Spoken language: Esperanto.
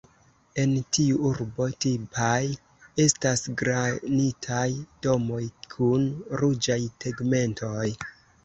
En tiu urbo tipaj estas granitaj domoj kun ruĝaj tegmentoj.